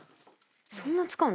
そんな使うの？